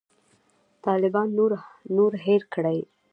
طالبان نور هېر کړي.